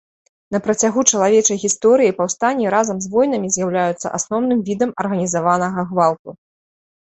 На працягу чалавечай гісторыі паўстанні разам з войнамі з'яўляюцца асноўным відам арганізаванага гвалту.